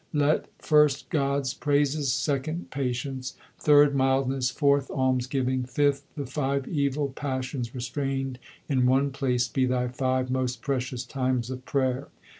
Let first God s praises, second patience, Third mildness, fourth almsgiving, Fifth the five evil passions restrained in one place be thy five most precious times of prayer.